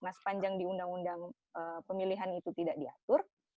nah sepanjang di undang undang pemilihan itu tidak diatur